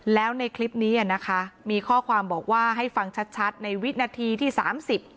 แล้วในคลิปนี้อะมีข้อความบอกว่าให้ฟังชัดในวิถีซึ่งในวิชนาทีที่สามสิบ